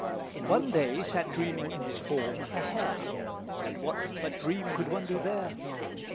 One day sat dreaming in his form a Hare, (And what but dream could one do there?)